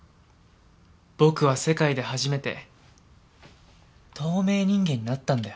僕は世界で初めて透明人間になったんだよ。